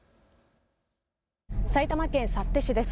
埼玉県幸手市です。